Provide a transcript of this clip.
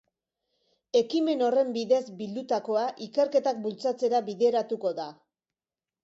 Ekimen horren bidez bildutakoa ikerketak bultzatzera bideratuko da.